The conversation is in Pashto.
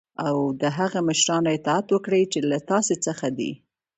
او د هغه مشرانو اطاعت وکړی چی له تاسی څخه دی .